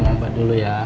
sambat dulu ya